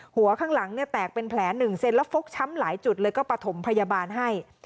หัวข้างหลังเนี่ยแตกเป็นแผลหนึ่งเซนแล้วฟกช้ำหลายจุดเลยก็ประถมพยาบาลให้